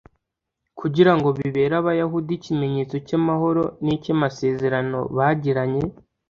kugira ngo bibere abayahudi ikimenyetso cy'amahoro n'icy'amasezerano bagiranye